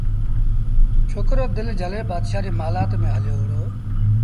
ڇوڪرو دل جھلي بآدشآ ريٚ مآلآت ميݩ هليو وهُڙو